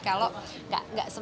kalau gak selalu